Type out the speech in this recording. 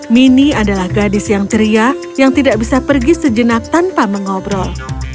mini adalah gadis yang ceria yang tidak bisa pergi sejenak tanpa mengobrol